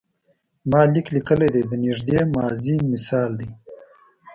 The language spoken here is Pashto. ما لیک لیکلی دی د نږدې ماضي مثال دی.